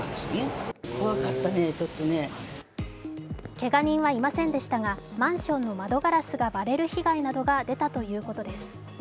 けが人はいませんでしたがマンションの窓ガラスが割れる被害が出たということです。